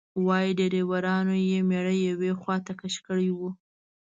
وایي ډریورانو یې میړه یوې خواته کش کړی و.